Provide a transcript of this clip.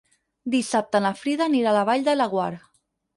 Dissabte na Frida anirà a la Vall de Laguar.